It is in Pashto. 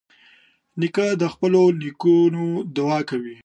نیکه د خپلو نیکونو دعا کوي.